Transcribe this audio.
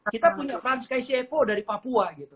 kita punya frank sky seppo dari papua